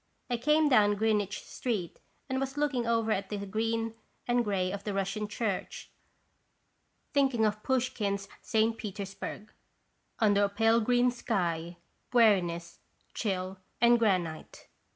I came down Greenwich street and was looking over at the green and gray of the Russian Church, thinking of Pouch kine's St. Petersburg: " Under a pale green sky, Weariness, chill, and granite